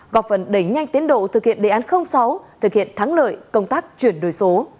góp phần đẩy nhanh tiến độ thực hiện đề án sáu thực hiện thắng lợi công tác chuyển đổi số